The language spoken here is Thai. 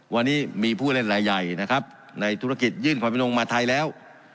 วันนี้มีผู้เล่นรายใหญ่นะครับในธุรกิจยื่นความเป็นนงมาไทยแล้ว